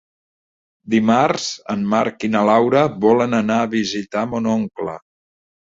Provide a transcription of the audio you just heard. Dimarts en Marc i na Laura volen anar a visitar mon oncle.